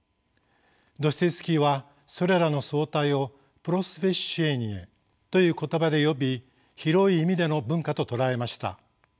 ドストエフスキーはそれらの総体をプロスヴェシェーニエという言葉で呼び広い意味での文化と捉えました。